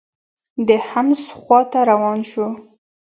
د حمص خوا ته روان شو.